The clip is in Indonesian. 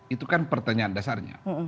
itu kan pertanyaan dasarnya